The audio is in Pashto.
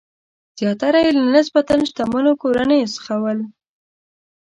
زیاتره یې له نسبتاً شتمنو کورنیو څخه ول.